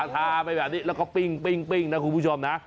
ทาไปแบบนี้แล้วก็ปริ่งปริ่งปริ่งนะคุณผู้ชมนะ